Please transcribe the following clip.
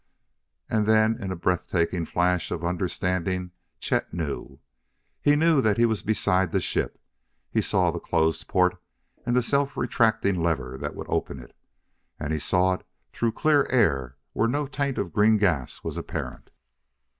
And then, in a breath taking flash of understanding, Chet knew. He knew he was beside the ship: he saw the closed port and the self retracting lever that would open it, and he saw it through clear air where no taint of the green gas was apparent.